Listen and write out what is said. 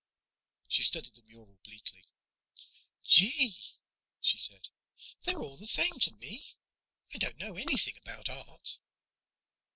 She studied the mural bleakly. "Gee," she said, "they're all the same to me. I don't know anything about art."